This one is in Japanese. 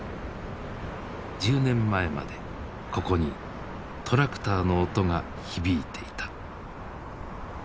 １０年前までここにトラクターの音が響いていた。